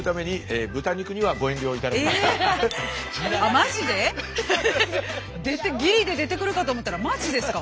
マジで⁉ギリで出てくるかと思ったらマジですか？